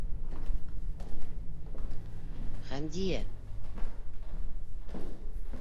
Хәмдиә: